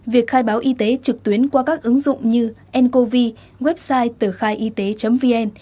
việc khai báo y tế trực tuyến qua các ứng dụng như ncov website tờ khai y tế vn